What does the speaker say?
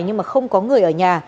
nhưng mà không có người ở nhà